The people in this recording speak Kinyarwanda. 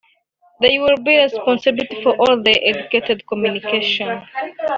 they will be responsible for all of Educat’s communications